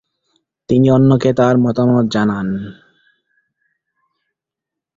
তিনি অন্যকে তার মতামত জানান।